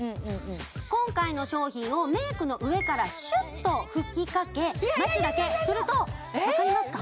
今回の商品をメイクの上からシュッと吹きかけ待つだけするとわかりますか？